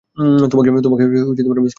তোমাকে miss call দিচ্ছি।